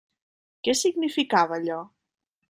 Què significava allò?